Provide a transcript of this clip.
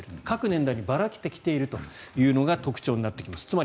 各年代にばらけてきているというのが特徴になってきます。